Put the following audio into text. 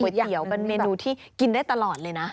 เตี๋ยวเป็นเมนูที่กินได้ตลอดเลยนะ